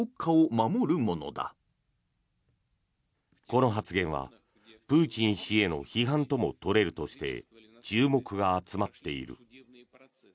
この発言はプーチン氏への批判とも取れるとして注目が集まっている。